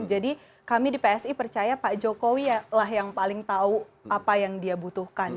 jadi kami di psi percaya pak jokowi lah yang paling tahu apa yang dia butuhkan